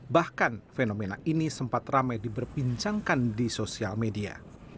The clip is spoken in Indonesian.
bahkan fenomena ini sempat ramai diberpincangkan di sosial media